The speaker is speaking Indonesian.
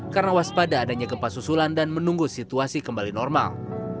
karena waspada adanya gempa susulan dan menunggu situasi kembali normal